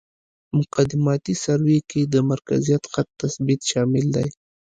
مقدماتي سروې کې د مرکزي خط تثبیت شامل دی